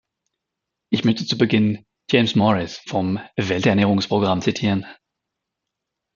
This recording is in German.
Ich möchte zu Beginn James Morris vom Welternährungsprogramm zitieren.